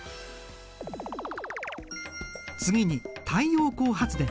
次に太陽光発電。